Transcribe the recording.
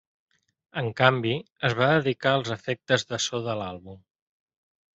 En canvi, es va dedicar als efectes de so de l'àlbum.